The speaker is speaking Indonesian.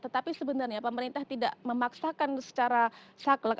tetapi sebenarnya pemerintah tidak memaksakan secara saklek